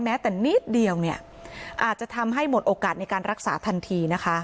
แม้แต่นิดเดียวเนี่ยอาจจะทำให้หมดโอกาสในการรักษาทันทีนะคะ